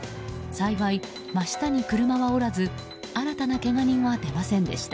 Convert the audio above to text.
幸い、真下に車はおらず新たなけが人は出ませんでした。